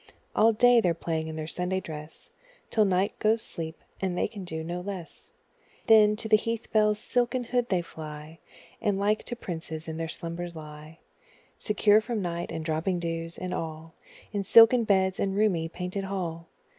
All day they're playing in their Sunday dress Till night goes sleep, and they can do no less; Then, to the heath bell's silken hood they fly, And like to princes in their slumbers lie, Secure from night, and dropping dews, and all, In silken beds and roomy painted hall.